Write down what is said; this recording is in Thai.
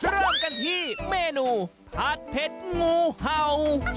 เริ่มกันที่เมนูผัดเผ็ดงูเห่า